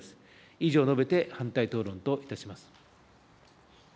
以上述べて反対討論といたします。